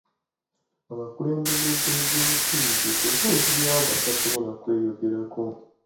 Abakulembeze b'ebyobufuzi be ddoboozi ly'abo abatasobola kwe yogerera.